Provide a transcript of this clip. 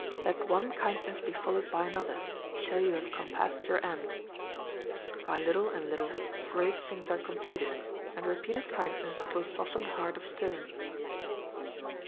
Let one kindness be followed by another, till you have compassed your end. By little and little, great things are completed; and repeated kindness will soften the heart of stone.